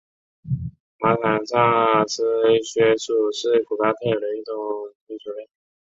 马坦萨斯穴鼠是古巴特有的一种棘鼠科。